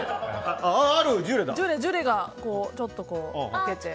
ジュレがちょっと溶けて。